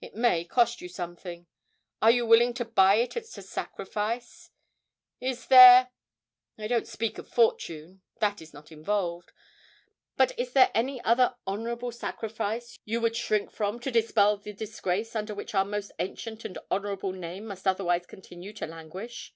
It may cost you something are you willing to buy it at a sacrifice? Is there I don't speak of fortune, that is not involved but is there any other honourable sacrifice you would shrink from to dispel the disgrace under which our most ancient and honourable name must otherwise continue to languish?'